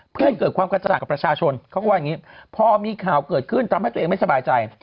เพื่อให้เกิดความกระจ่างกับประชาชนเขาก็ว่าอย่างนี้พอมีข่าวเกิดขึ้นทำให้ตัวเองไม่สบายใจ